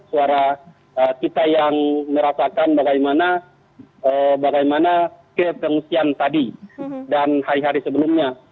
suara kita yang merasakan bagaimana ke pengungsian tadi dan hari hari sebelumnya